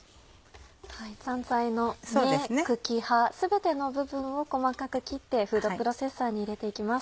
香菜の根茎葉全ての部分を細かく切ってフードプロセッサーに入れて行きます。